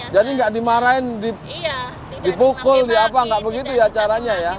jadi tidak dimarahin dipukul tidak begitu ya caranya ya